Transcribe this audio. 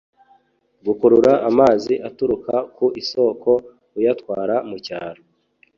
gukurura amazi aturuka mu isoko uyatwara mu cyaro